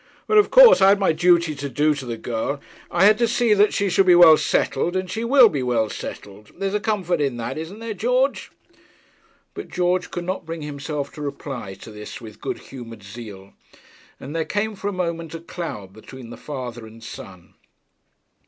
'But of course I had my duty to do to the girl. I had to see that she should be well settled, and she will be well settled. There's a comfort in that; isn't there, George?' But George could not bring himself to reply to this with good humoured zeal, and there came for a moment a cloud between the father and son.